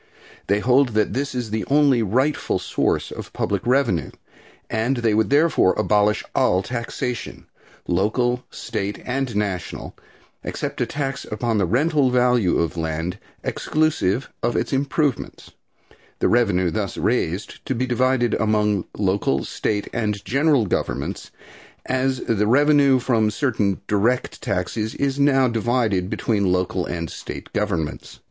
They hold that this is the only rightful source of public revenue, and they would therefore abolish all taxation local, state and national except a tax upon the rental value of land exclusive of its improvements, the revenue thus raised to be divided among local, state and general governments, as the revenue from certain direct taxes is now divided between local and state governments.